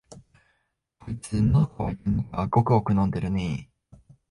こいつ、のど渇いてんのか、ごくごく飲んでるね。